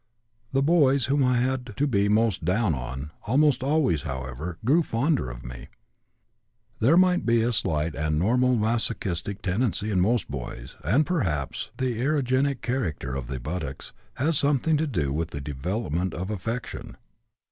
The boys whom I had to be most 'down' on almost always, however, grew fonder of me. There may be a slight and normal masochistic tendency in most boys, and perhaps the erogenic character of the buttocks has something to do with the development of affection.